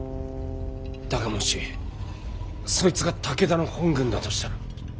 だがもしそいつが武田の本軍だとしたら。